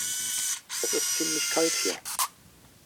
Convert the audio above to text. Es ist ziemlich kalt hier.